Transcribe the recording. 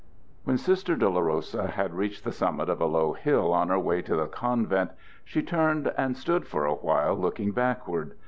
When Sister Dolorosa had reached the summit of a low hill on her way to the convent she turned and stood for a while looking backward.